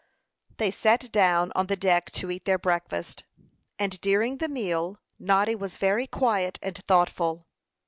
They sat down on the deck to eat their breakfast; and during the meal Noddy was very quiet and thoughtful.